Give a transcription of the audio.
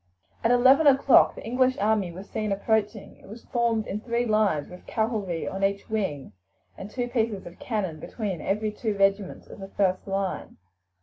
At eleven o'clock the English army was seen approaching. It was formed in three lines, with cavalry on each wing, and two pieces of cannon between every two regiments of the first line.